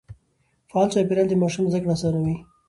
فعال چاپېريال د ماشوم زده کړه آسانوي.